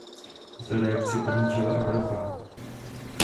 Tuto reakci podnítila Evropa.